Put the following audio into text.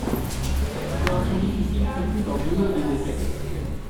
Opération difficile conclue par deux lourdes défaites.